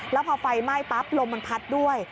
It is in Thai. แล้วพอไฟไหม้ปั๊บลมมันพัดด้วย